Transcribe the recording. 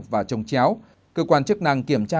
và trông chéo cơ quan chức năng kiểm tra